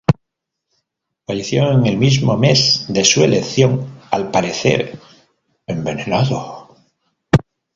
Falleció en el mismo mes de su elección, al parecer envenenado.